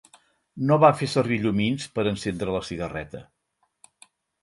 No va fer servir llumins per encendre la cigarreta.